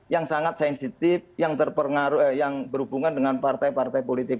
yang sangat sensitif yang berhubungan dengan partai partai politik